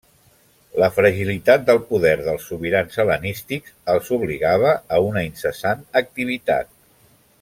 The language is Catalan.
La fragilitat del poder dels sobirans hel·lenístics els obligava a una incessant activitat.